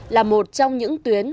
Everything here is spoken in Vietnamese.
là một trong những tuyến